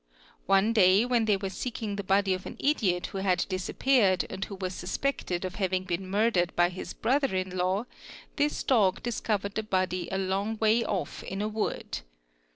One day whet they were seeking the body of an idiot who had disappeared and who wa suspected of having been murdered by his brother in law, this dog di covered the body a long way off in a wood.